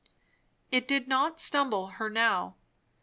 It did not stumble her now.